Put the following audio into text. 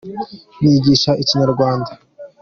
nigisha ikinyarwanda